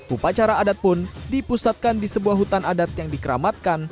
upacara adat pun dipusatkan di sebuah hutan adat yang dikeramatkan